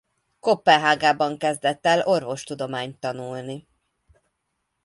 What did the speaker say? Koppenhágában kezdett el orvostudományt tanulni.